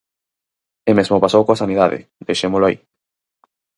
E mesmo pasou coa sanidade, deixémolo aí.